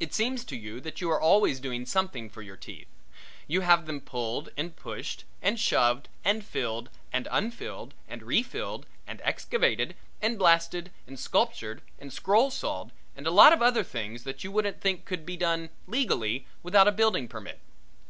It seems to you that you are always doing something for your teeth? You have them pulled and pushed and shoved and filled and unfilled and refilled and excavated and blasted and sculptured and scroll sawed and a lot of other things that you wouldn't think could be done legally without a building permit.